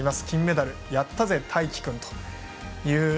金メダル、やったぜ大輝君。